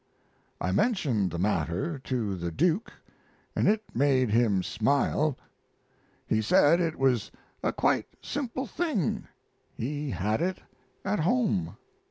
I mentioned the matter to the Duke and it made him smile. He said it was a quite simple thing he had it at home.